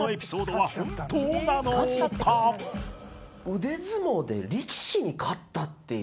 腕相撲で力士に勝ったっていう。